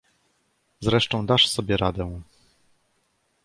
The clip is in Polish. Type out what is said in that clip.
"Zresztą, dasz sobie radę."